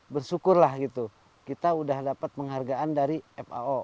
bersyukurlah gitu kita udah dapat penghargaan dari fao